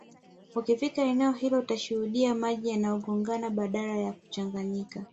Ukifika eneo hilo utashuhudia maji yanagongana badala ya kuchanganyika